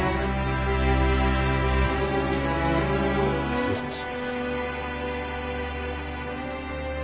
失礼します。